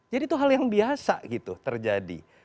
jadi itu hal yang biasa gitu terjadi